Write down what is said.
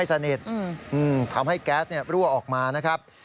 อืมอืมทำให้แก๊สเนี่ยรั่วออกมานะครับ